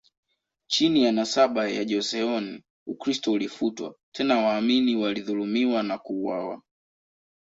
Chini ya nasaba ya Joseon, Ukristo ulifutwa, tena waamini walidhulumiwa na kuuawa.